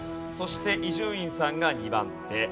そして伊集院さんが２番手。